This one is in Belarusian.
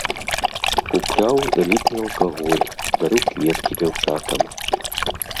Купляў элітны алкаголь, дарыў кветкі дзяўчатам.